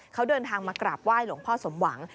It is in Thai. เขาเดินทางมากราบไหว้หลวงพ่อสมหวัง